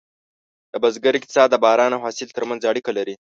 د بزګر اقتصاد د باران او حاصل ترمنځ اړیکه لري.